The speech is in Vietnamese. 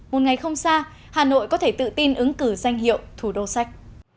một ngày không xa hà nội có thể tự tin ứng cử danh hiệu thủ đô sách